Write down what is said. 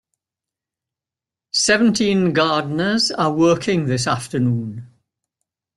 Seventeen gardeners are working this afternoon.